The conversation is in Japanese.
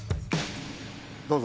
どうぞ。